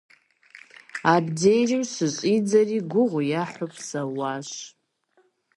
Абдежым щыщӀидзэри гугъу ехьу псэуащ.